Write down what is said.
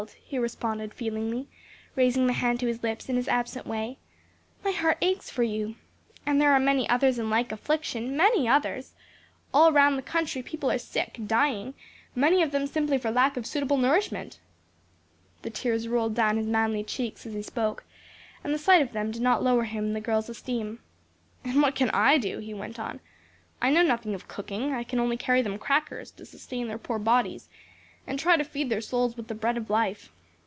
he responded feelingly, raising the hand to his lips in his absent way, "my heart aches for you. And there are many others in like affliction; many others! all round the country people are sick, dying; many of them simply for lack of suitable nourishment." The tears rolled down his manly cheeks as he spoke, and the sight of them did not lower him in the girl's esteem. "And what can I do?" he went on. "I know nothing of cooking; I can only carry them crackers to sustain their poor bodies, and try to feed their souls with the bread of life.